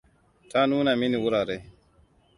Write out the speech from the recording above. Ta nuna mini wurare.